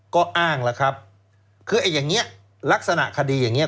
ก็อ้างแล้วครับคือไอ้อย่างเงี้ยลักษณะคดีอย่างนี้